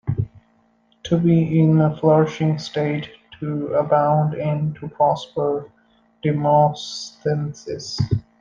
To be in a flourishing state, to abound in, to prosper.-"Demosthenes".